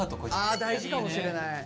あ大事かもしれない。